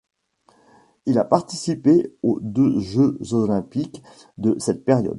Il a participé aux deux Jeux olympiques de cette période.